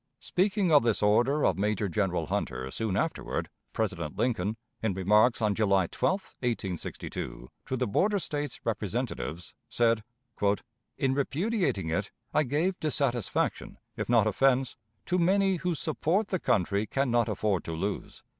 Speaking of this order of Major General Hunter soon afterward, President Lincoln, in remarks on July 12, 1862, to the border States Representatives, said: "In repudiating it, I gave dissatisfaction, if not offense, to many whose support the country can not afford to lose.